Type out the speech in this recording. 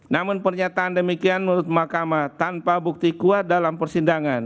namun pernyataan demikian menurut mahkamah tanpa bukti kuat dalam persidangan